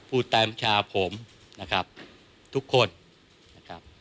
ผู้แต้มชาวผมนะครับทุกคนนะครับ